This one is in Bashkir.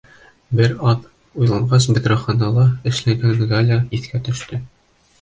Бер аҙ уйланғас, бөҙрәханала эшләгән Галя иҫкә төштө.